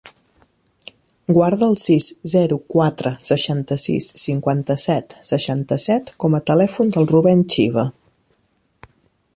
Guarda el sis, zero, quatre, seixanta-sis, cinquanta-set, seixanta-set com a telèfon del Rubèn Chiva.